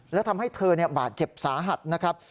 และทำให้เธอบาดเจ็บสาหัสนะครับ